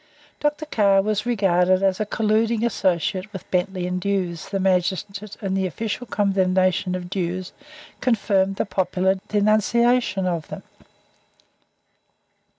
Dr. Carr was regarded as a "colluding associate" with Bentley and Dewes, the magistrate, and the official condemnation of Dewes confirmed the popular denunciation of them.